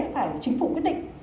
phải chính phủ quyết định